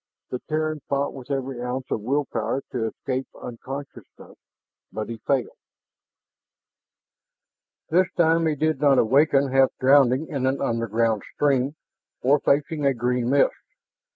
The Terran fought with every ounce of will power to escape unconsciousness, but he failed. This time he did not awaken half drowning in an underground stream or facing a green mist.